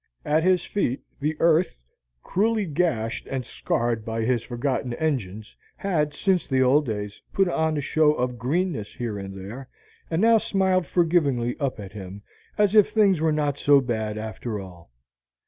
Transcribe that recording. At his feet the earth, cruelly gashed and scarred by his forgotten engines, had, since the old days, put on a show of greenness here and there, and now smiled forgivingly up at him, as if things were not so bad after all.